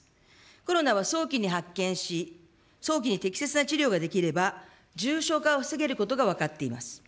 コロナは早期に発見し、早期に適切な治療ができれば、重症化を防げることが分かっています。